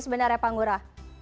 sebenarnya pak ngurah